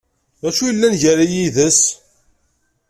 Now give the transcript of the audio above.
D acu yellan gar-i yid-s?